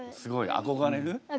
憧れる。